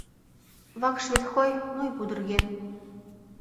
Вакш ветхой, ну и пудырген.